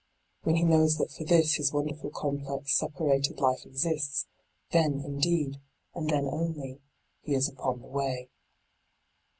When he knows that for this his wonderful complex separated life exists, then, indeed, and then only, he is upon the way.